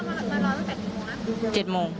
รอตั้งแต่๘โมงเหรอ๗โมง